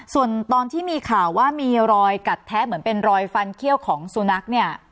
ส่วนตอนที่มีข่าวว่ามีรอยกัดแท้เหมือนเป็นรอยฟันเขี้ยวของสุนัขเนี่ย